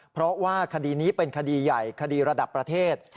เพราะว่าคดีนี้เป็นคดีใหญ่คดีระดับประเทศ